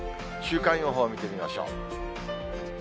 週間予報を見てみましょう。